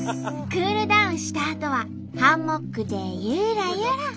クールダウンしたあとはハンモックでゆらゆら。